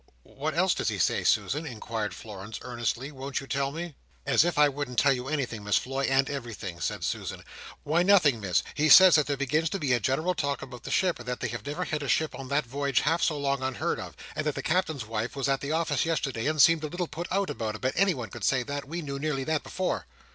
"What else does he say, Susan?" inquired Florence, earnestly. "Won't you tell me?" "As if I wouldn't tell you anything, Miss Floy, and everything!" said Susan. "Why, nothing Miss, he says that there begins to be a general talk about the ship, and that they have never had a ship on that voyage half so long unheard of, and that the Captain's wife was at the office yesterday, and seemed a little put out about it, but anyone could say that, we knew nearly that before."